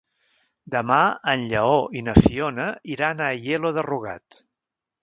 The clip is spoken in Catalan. Demà en Lleó i na Fiona iran a Aielo de Rugat.